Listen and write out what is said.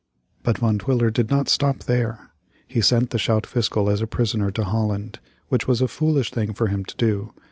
But Van Twiller did not stop there. He sent the schout fiscal as a prisoner to Holland, which was a foolish thing for him to do.